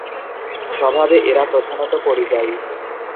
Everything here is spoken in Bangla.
স্বভাবে এরা প্রধানত পরিযায়ী।